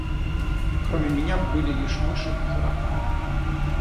Кроме меня были лишь мыши да тараканы.